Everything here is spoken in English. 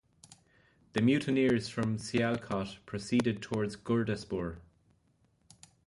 The mutineers from Sialkot proceeded towards Gurdaspur.